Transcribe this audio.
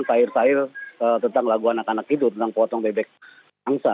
sair sair tentang lagu anak anak itu tentang kuotong bebek angsa